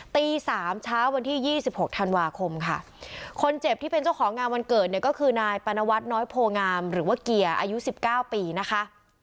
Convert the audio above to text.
ตีสามเช้าวันที่๒๖ธันวาคมค่ะคนเจ็บที่เป็นเจ้าของงานวันเกิดเนี่ยก็คือนายปนวัฒนน้อยโพงามหรือว่าเกียร์อายุ๑๙ปีนะคะ